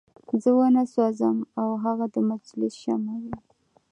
زه وانه سوځم او هغه د مجلس شمع وي.